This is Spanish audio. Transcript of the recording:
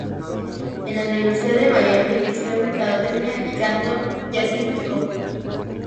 En la Universidad de Miami, estudió mercadotecnia y canto jazzístico.